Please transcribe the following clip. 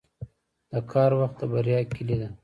• د کار وخت د بریا کلي ده.